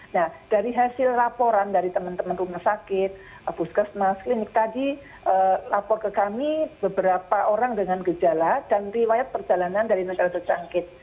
nah dari hasil laporan dari teman teman rumah sakit puskesmas klinik tadi lapor ke kami beberapa orang dengan gejala dan riwayat perjalanan dari negara terjangkit